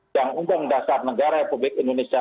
yang undang dasar negara republik indonesia